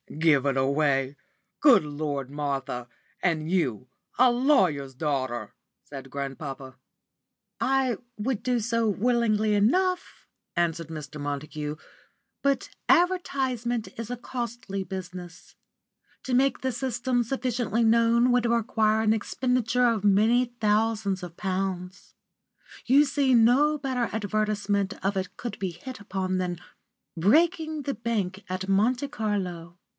"Give it away! Good Lord, Martha and you a lawyer's daughter!" said grandpapa. "I would do so willingly enough," answered Mr. Montague, "but advertisement is a costly business. To make the system sufficiently known would require an expenditure of many thousands of pounds. You see no better advertisement of it could be hit upon than breaking the bank at Monte Carlo.